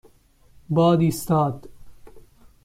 باد ایستاد.